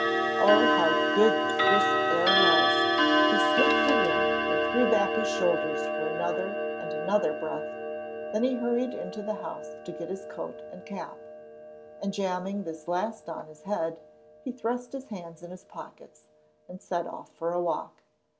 Oh, how good the crisp air was! He sniffed it in, and threw back his broad shoulders for another and another breath; then he hurried into the house to get his coat and cap, and, jamming this last on his head, he thrust his hands in his pockets, and set off for a walk.